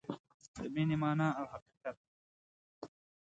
د مینې مانا او حقیقت